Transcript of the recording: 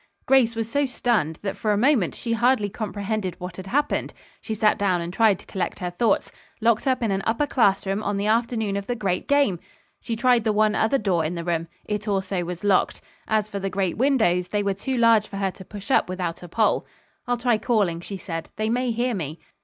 Grace was so stunned that for a moment she hardly comprehended what had happened. She sat down and tried to collect her thoughts. Locked up in an upper classroom on the afternoon of the great game! She tried the one other door in the room. It also was locked. As for the great windows, they were too large for her to push up without a pole. "I'll try calling," she said. "They may hear me."